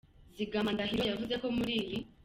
Zigama Ndahiro yavuze ko muri iyi.